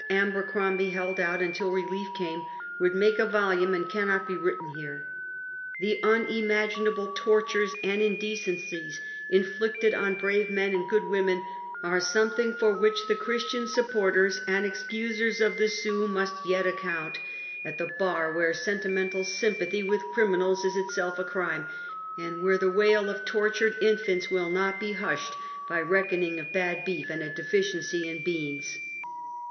Aber crombie held out until relief came, would make a vol ume, and cannot be written here. The unimaginable tortures and indecencies inflicted on brave men and good women, are something for which the Christian supporters and excusers of the Sioux must yet account 232 Half a Centuet. at tlie bar where sentimental sympathy with crimi nals is itself a crime; and where the wail of tortured infants will not be hushed by reckoning of bad beef and a deficiency in beans.